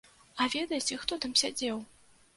А ведаеце, хто там сядзеў?